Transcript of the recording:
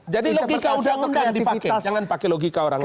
jadi logika undang undang dipakai jangan pakai logika orang lain